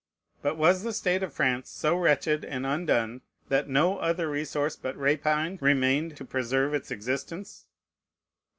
But was the state of France so wretched and undone, that no other resource but rapine remained to preserve its existence?